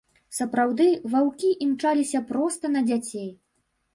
Сапраўды, ваўкі імчаліся проста на дзяцей.